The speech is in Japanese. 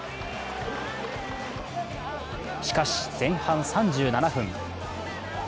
しかし、前半３７分。